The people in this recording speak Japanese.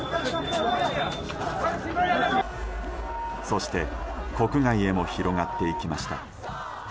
そして国外へも広がっていきました。